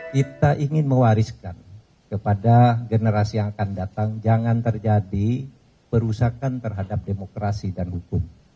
kita ingin mewariskan kepada generasi yang akan datang jangan terjadi perusakan terhadap demokrasi dan hukum